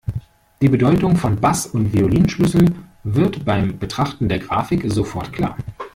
Die Bedeutung von Bass- und Violinschlüssel wird beim Betrachten der Grafik sofort klar.